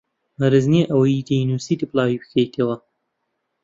مەرج نییە ئەوەی دەینووسیت بڵاوی بکەیتەوە